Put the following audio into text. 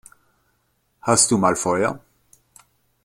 Hast du mal Feuer?